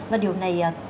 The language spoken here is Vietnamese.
và điều này